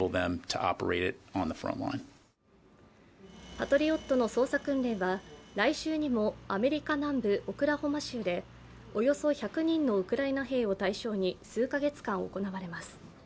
パトリオットの操作訓練は来週にもアメリカ南部オクラホマ州でおよそ１００人のウクライナ兵を対象に数か月間行われます。